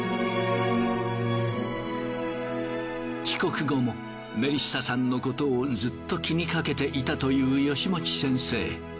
帰国後もメリッサさんのことをずっと気にかけていたという吉用先生。